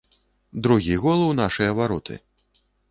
Другі гол у нашыя вароты.